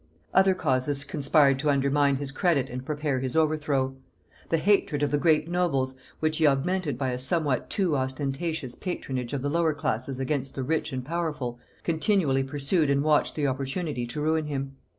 Other causes conspired to undermine his credit and prepare his overthrow. The hatred of the great nobles, which he augmented by a somewhat too ostentatious patronage of the lower classes against the rich and powerful, continually pursued and watched the opportunity to ruin him.